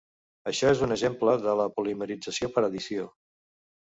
Això és un exemple de la polimerització per addició.